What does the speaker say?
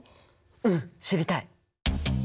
うん知りたい！